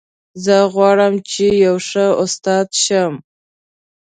زه غواړم چې یو ښه استاد شم